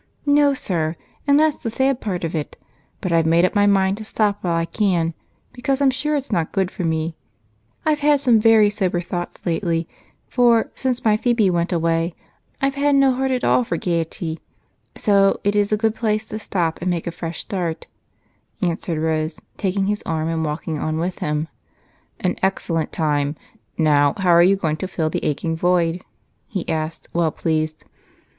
"No, sir, and that's the sad part of it, but I've made up my mind to stop while I can because I'm sure it is not good for me. I've had some very sober thoughts lately, for since my Phebe went away I've had no heart for gaiety, so it is a good place to stop and make a fresh start," answered Rose, taking his arm and walking on with him. "An excellent time! Now, how are you going to fill the aching void?" he asked, well pleased.